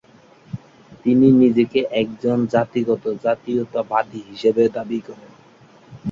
তিনি নিজেকে একজন জাতিগত জাতীয়তাবাদী হিসেবে দাবি করেন।